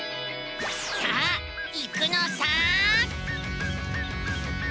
さあ行くのさ！